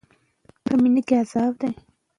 د کور دننه تيز خوشبويي مه کاروئ.